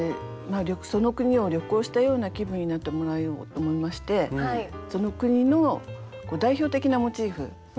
その国を旅行したような気分になってもらおうと思いましてその国の代表的なモチーフ。